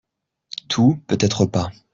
Tout, peut-être pas